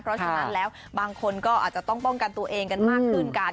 เพราะฉะนั้นแล้วบางคนก็อาจจะต้องป้องกันตัวเองกันมากขึ้นกัน